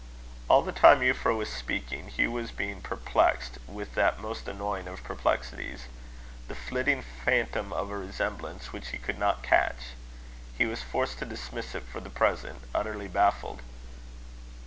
All the time Euphra was speaking, Hugh was being perplexed with that most annoying of perplexities the flitting phantom of a resemblance, which he could not catch. He was forced to dismiss it for the present, utterly baffled.